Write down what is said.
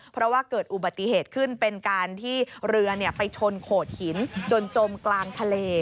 เพราะว่าเกิดอุบัติเหตุขึ้นเป็นการที่เรือไปชนโขดหินจนจมกลางทะเล